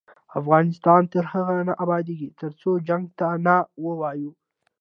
افغانستان تر هغو نه ابادیږي، ترڅو جنګ ته نه ووایو.